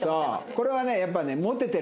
これはねやっぱね。